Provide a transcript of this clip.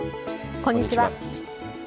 こんにちは。